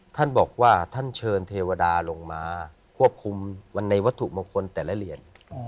ท่านบอกว่าท่านเชิญเทวดาลงมาควบคุมมันในวัตถุมงคลแต่ละเหรียญ